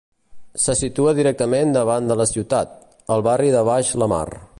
Se situa directament davant de la ciutat, al barri de Baix la Mar.